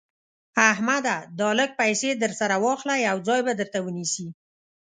احمده دا لږ پيسې در سره واخله؛ يو ځای به درته ونيسي.